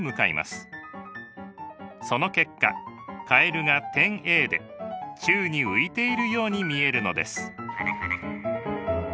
その結果カエルが点Ａで宙に浮いているように見えるのです。